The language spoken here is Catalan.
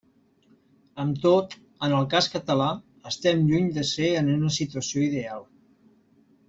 Amb tot, en el cas català, estem lluny de ser en una situació ideal.